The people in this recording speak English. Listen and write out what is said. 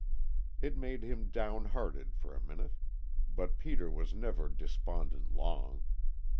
It made him down hearted for a minute, but Peter was never despondent long.